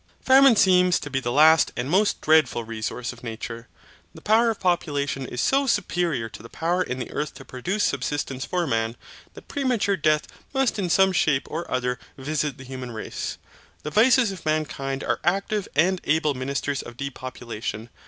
Famine seems to be the last, the most dreadful resource of nature. The power of population is so superior to the power in the earth to produce subsistence for man, that premature death must in some shape or other visit the human race. The vices of mankind are active and able ministers of depopulation.